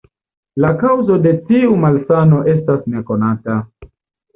La kaŭzo de tiu malsano estas nekonata.